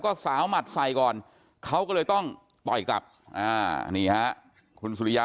ก็สาวหมัดใส่ก่อนเขาก็เลยต้องต่อยกลับนี่ฮะคุณสุริยา